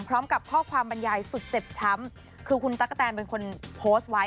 พร้อมกับข้อความบรรยายสุดเจ็บช้ำคือคุณตั๊กกะแตนเป็นคนโพสต์ไว้